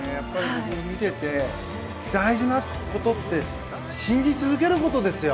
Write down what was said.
見てて、大事なことって信じ続けることですよ。